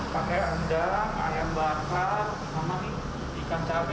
pakai rendang ayam bakar sama ikan cabai